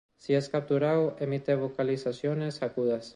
Si es capturado emite vocalizaciones agudas.